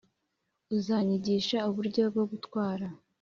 uzanyigisha uburyo bwo gutwara?